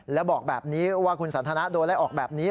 แล้วบอกแบบนี้ว่าคุณสันทนาโดนไล่ออกแบบนี้